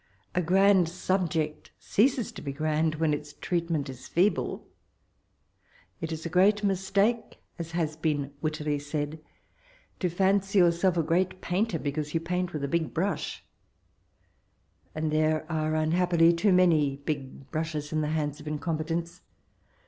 A grand subject ceases to be grand when its treatment 18 feeblCi It is a great mistake, as has been wittily said, '* to fanciy youmlf a great painter because you ptaint with a big brush ;" and there are unhappily too many big brushes in the hand of incompetence.